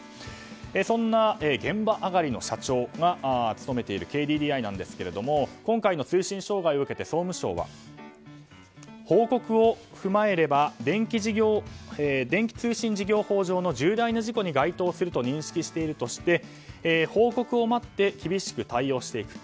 そんな現場上がりの方が社長を務めているＫＤＤＩですが今回の通信障害を受けて総務省は報告を踏まえれば電気通信事業法上の重大な事故に該当すると認識しているとして報告を待って厳しく対応していくと。